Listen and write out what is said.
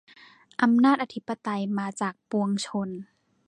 อำนาจอธิปไตยมาจากปวงชน